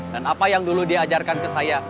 dan apa yang dulu dia ajarkan ke saya